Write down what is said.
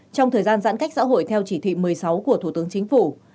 trong thời gian giãn cách xã hội theo chỉ thị một mươi sáu của thủ tướng chính phủ